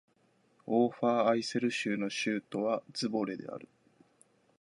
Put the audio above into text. オーファーアイセル州の州都はズヴォレである